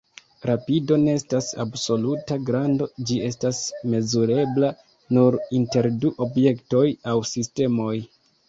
Rapido ne estas absoluta grando; ĝi estas mezurebla nur inter du objektoj aŭ sistemoj.